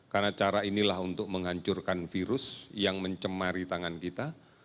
karena cara inilah untuk menghancurkan virus yang mencemari tangan kita